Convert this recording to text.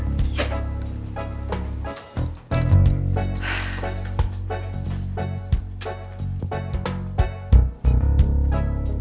mau kemana cu